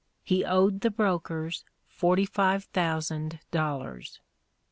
He owed the brokers forty five thousand dollars.